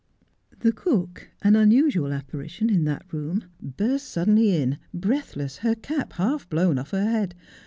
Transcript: The cook, an unusual apparition in that room, burst suddenly in, breathless, her cap half blown off her head.